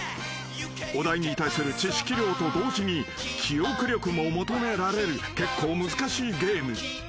［お題に対する知識量と同時に記憶力も求められる結構難しいゲーム］